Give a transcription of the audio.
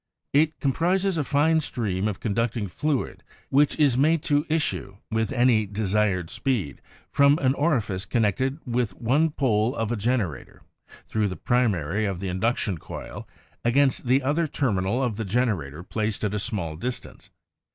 It comprises a fine stream of conducting fluid which is made to issue, with any desired speed, from an orifice connected with one pole of a generator, thru the primary of the induction coil, against the other terminal of the generator placed at a small distance.